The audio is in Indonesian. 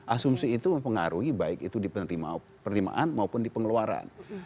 asumsi itu mempengaruhi baik itu di penerimaan maupun di pengeluaran